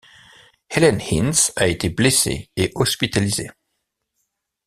Helen Ince a été blessée et hospitalisée.